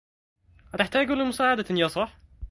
أتحتاج لمساعدة يا صاح؟